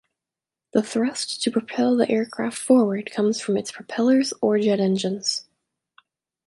The thrust to propel the aircraft forward comes from its propellers or jet engines.